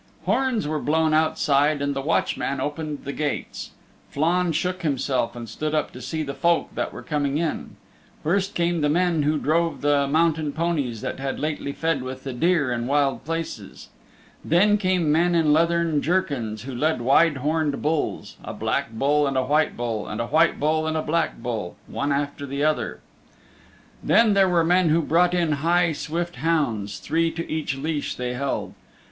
Horns were blown outside, and the watchman opened the gates. Flann shook himself and stood up to see the folk that were coming in. First came the men who drove the mountain ponies that had lately fed with the deer in wild places. Then came men in leathern jerkins who led wide horned bulls a black bull and a white bull, and a white bull and a black bull, one after the other. Then there were men who brought in high, swift hounds, three to each leash they held.